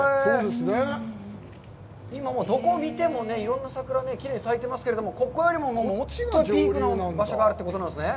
今、もうどこを見てもいろんな桜がきれいに咲いていますけれども、ここよりももっとピークの場所があるということなんですね。